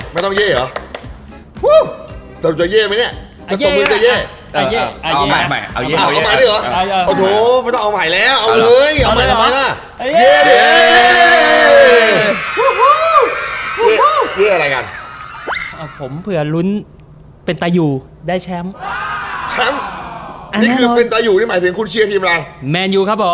ไม่ต้องเย้เหรอคุณจะเย้ปะนี้ตกมือจะเย้